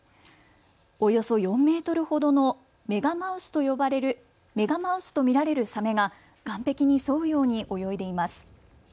およそ４メートルほどのメガマウスと見られるサメが岸壁に沿うように泳いでいます。